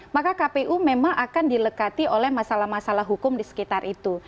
maka kpu memang akan dilekati oleh masalah masalah hukum di sekitar itu